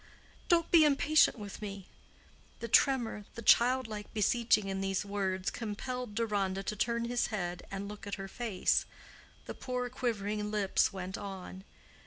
"Don't be impatient with me." The tremor, the childlike beseeching in these words compelled Deronda to turn his head and look at her face. The poor quivering lips went on.